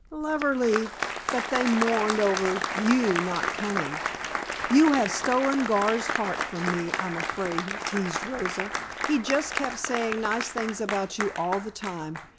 "Lov ell ly, but they mourned over you not coming. You have stolen Gar's heart from me, I'm afraid," teased Rosa. "He just kept saying nice things about you all the time.